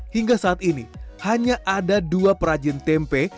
hingga saat ini hanya ada dua perajin tempe